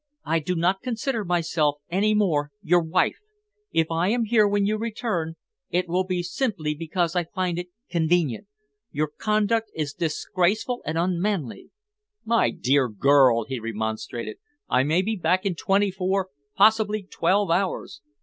I do not consider myself any more your wife. If I am here when you return, it will be simply because I find it convenient. Your conduct is disgraceful and unmanly." "My dear girl!" he remonstrated. "I may be back in twenty four possibly twelve hours."